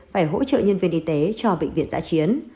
phải hỗ trợ nhân viên y tế cho bệnh viện giã chiến